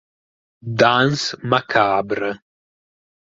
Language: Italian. Danse macabre